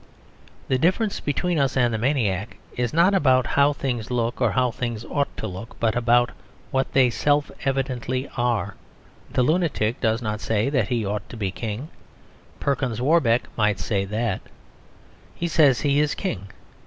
The difference between us and the maniac is not about how things look or how things ought to look, but about what they self evidently are. The lunatic does not say that he ought to be King; Perkin Warbeck might say that. He says he is King.